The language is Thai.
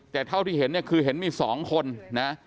แต่เท่าที่เห็นเนี่ยคือเห็นมี๒คนนะ